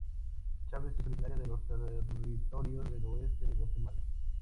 Chávez es originaria de los territorios del oeste de Guatemala.